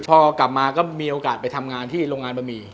พอกลับมาก็มีโอกาสไปทำงานที่โรงงานบะหมี่